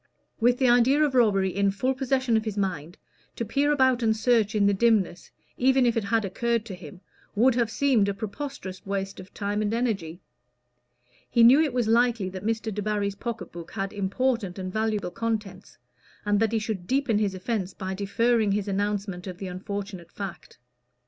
With the idea of robbery in full possession of his mind, to peer about and search in the dimness, even if it had occurred to him, would have seemed a preposterous waste of time and energy. He knew it was likely that Mr. Debarry's pocket book had important and valuable contents, and that he should deepen his offence by deferring his announcement of the unfortunate fact.